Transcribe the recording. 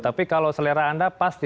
tapi kalau selera anda pasti